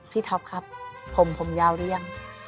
ท็อปครับผมผมยาวหรือยัง